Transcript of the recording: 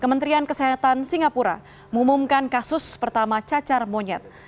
kementerian kesehatan singapura mengumumkan kasus pertama cacar monyet